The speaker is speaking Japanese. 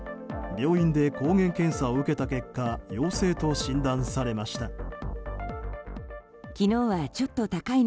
病院で抗原検査を受けた結果陽性と診断されました。